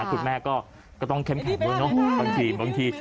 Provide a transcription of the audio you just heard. คุณแม่ก็ต้องเข้มแข็งด้วยบางที